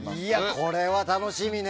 これは、楽しみね。